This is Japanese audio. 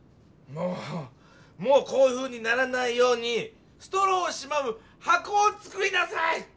もうもうこういうふうにならないようにストローをしまうはこをつくりなさい！